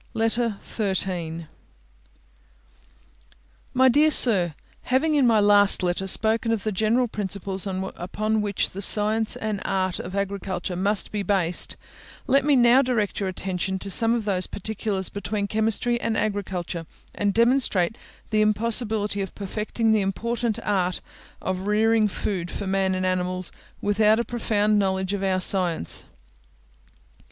LETTER XIII My dear Sir, Having in my last letter spoken of the general principles upon which the science and art of agriculture must be based, let me now direct your attention to some of those particulars between chemistry and agriculture, and demonstrate the impossibility of perfecting the important art of rearing food for man and animals, without a profound knowledge of our science.